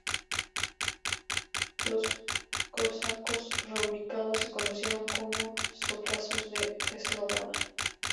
Los cosacos reubicados se conocieron como cosacos de Sloboda.